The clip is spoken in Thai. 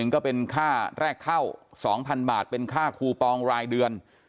ก็เป็นค่าแรกเข้า๒๐๐๐บาทเป็นค่าคูปองรายเดือน